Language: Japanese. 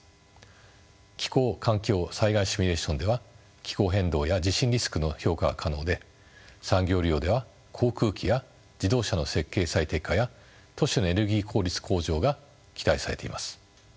気候・環境・災害シミュレーションでは気候変動や地震リスクの評価が可能で産業利用では航空機や自動車の設計最適化や都市のエネルギー効率向上が期待されています。